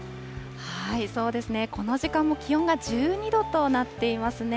そうですね、この時間も気温が１２度となっていますね。